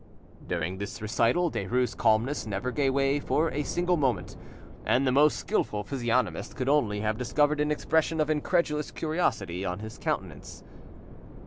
During this recital Derues' calmness never gave way for a single moment, and the most skilful physiognomist could only have discovered an expression of incredulous curiosity on his countenance.